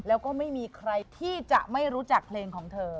แล้วก็ไม่มีใครที่จะไม่รู้จักเพลงของเธอ